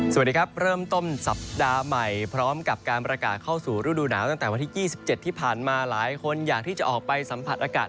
สวัสดีครับเริ่มต้นสัปดาห์ใหม่พร้อมกับการประกาศเข้าสู่ฤดูหนาวตั้งแต่วันที่๒๗ที่ผ่านมาหลายคนอยากที่จะออกไปสัมผัสอากาศ